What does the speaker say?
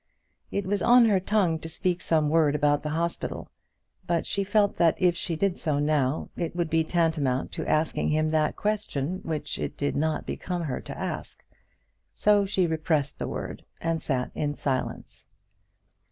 It was on her tongue to speak some word about the hospital; but she felt that if she did so now, it would be tantamount to asking him that question which it did not become her to ask; so she repressed the word, and sat in silence.